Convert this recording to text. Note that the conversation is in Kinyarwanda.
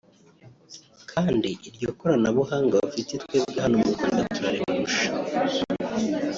kandi iryo koranabuhahanga bafite twebwe hano mu Rwanda turaribarusha